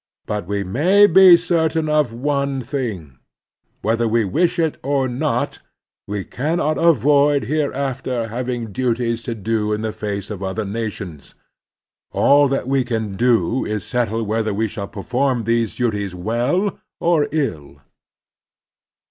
But we may be certain of one thing: whether we wish it or not, we cannot avoid hereafter having duties to do in the face of other nations. All that we can do is to settle whether we shall perform these duties well or ill.